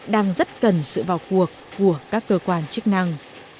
đang rất cần sự vào cuộc của các cơ quan chức năng